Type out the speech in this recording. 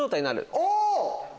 お！